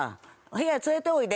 部屋連れておいで」